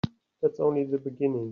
That's only the beginning.